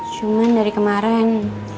cuman dari kemarin